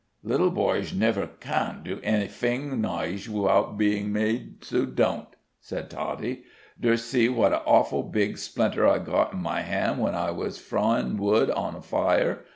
"Little boysh never can do anyfing nysh wivout bein' made to don't," said Toddie. "Dzust see what an awful big splinter I got in my hand when I was froin' wood on the fire!